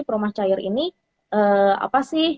promah cair ini apa sih